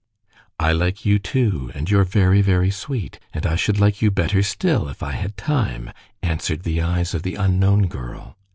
"I like you too, and you're very, very sweet. And I should like you better still, if I had time," answered the eyes of the unknown girl.